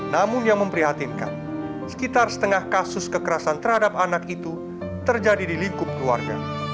namun yang memprihatinkan sekitar setengah kasus kekerasan terhadap anak itu terjadi di lingkup keluarga